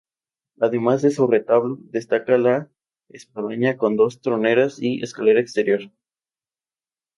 Además de su retablo, destaca la espadaña con dos troneras y escalera exterior.